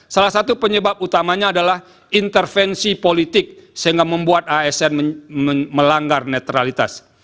salah satu penyebab utamanya adalah intervensi politik sehingga membuat asn melanggar netralitas